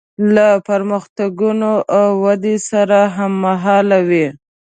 له پرمختګونو او ودې سره هممهاله وي.